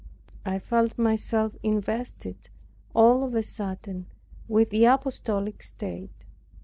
I felt myself invested, all of a sudden, with the apostolic state.